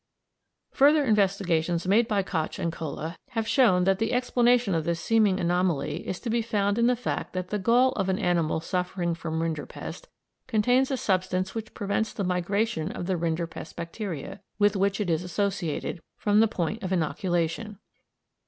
Further investigations made by Koch and Kolle have shown that the explanation of this seeming anomaly is to be found in the fact that the gall of an animal suffering from rinderpest contains a substance which prevents the migration of the rinderpest bacteria, with which it is associated, from the point of inoculation.